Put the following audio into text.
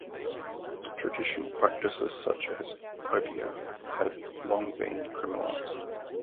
Traditional practices such as obeah had long been criminalised.